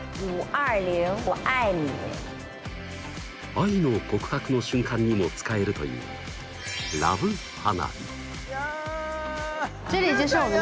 愛の告白の瞬間にも使えるといういや。